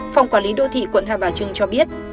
phòng quản lý đô thị quận hai bà trưng cho biết